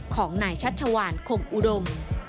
ของหน่ายชัดชะวานคมอุดม